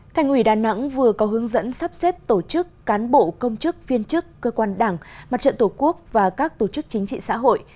thành ủy đà nẵng vừa có hướng dẫn sắp xếp tổ chức cán bộ công chức viên chức cơ quan đảng mặt trận tổ quốc và các tổ chức chính trị xã hội